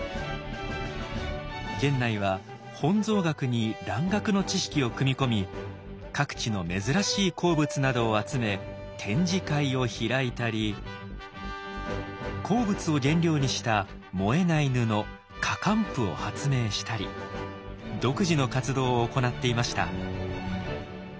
源内は本草学に蘭学の知識を組み込み各地の珍しい鉱物などを集め展示会を開いたり鉱物を原料にした燃えない布火浣布を発明したり独自の活動を行っていました。